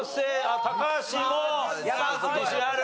高橋も自信ある。